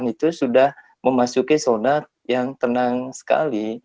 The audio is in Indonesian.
itu sudah memasuki zona yang tenang sekali